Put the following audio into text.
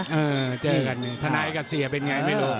เออเจอกันทนายกับเสียเป็นไงไม่รู้